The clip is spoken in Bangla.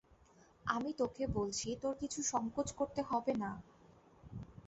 আমি তোকে বলছি তোর কিছু সংকোচ করতে হবে না।